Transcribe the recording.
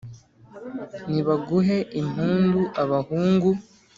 ni baguhe impundu abahungu,